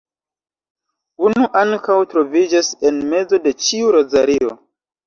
Unu ankaŭ troviĝas en mezo de ĉiu rozario.